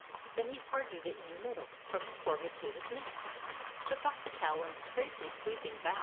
Then he parted it in the middle, from his forehead to his neck, took off the towel and scraped a sweeping bow.